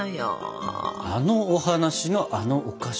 あのお話のあのお菓子？